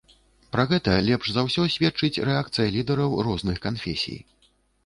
Пра гэта лепш за ўсё сведчыць рэакцыя лідараў розных канфесій.